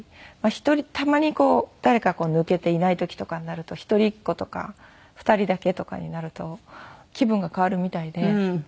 １人たまにこう誰か抜けていない時とかになると一人っ子とか２人だけとかになると気分が変わるみたいで。